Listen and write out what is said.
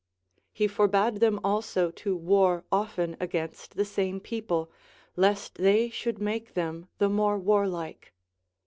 He forbade them also to Avar often against the same people, lest they should make them the more warlike.